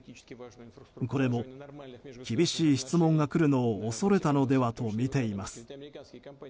これも厳しい質問が来るのを恐れたのではとみています。